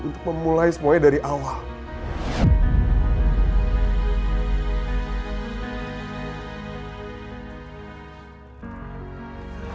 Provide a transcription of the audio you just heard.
untuk memulai semuanya dari awal